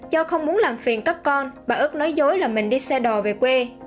do không muốn làm phiền các con bà ước nói dối là mình đi xe đò về quê